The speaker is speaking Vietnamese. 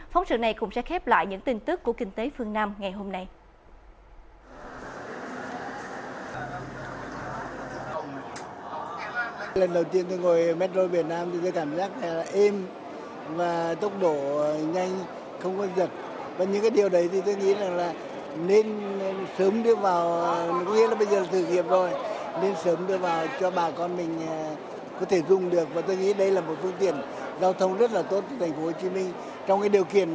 phóng sự này cũng sẽ khép lại những tin tức của kinh tế phương nam ngày hôm nay